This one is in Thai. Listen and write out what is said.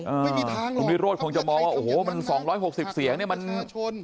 คุณวิโรธคงจะมองว่าโอ้โหมัน๒๖๐เสียงเนี่ยมัน